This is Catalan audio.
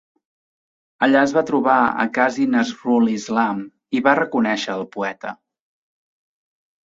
Allà es va trobar a Kazi Nazrul Islam i va reconèixer el poeta.